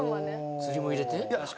釣りも入れて？